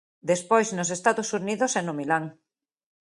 Despois nos Estados Unidos e no Milán.